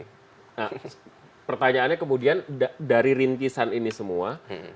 nah pertanyaannya kemudian dari rintisan ini semua